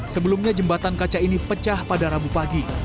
sebelumnya jembatan kaca ini pecah pada rabu pagi